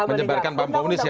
menyebarkan paham komunis ya